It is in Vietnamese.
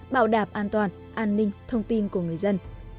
bảo đảm an toàn an ninh thông tin của người dân